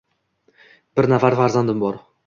Bir nafar farzandim bor.